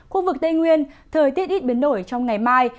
khu vực tây nguyên thời tiết ít biến đổi trong ngày mai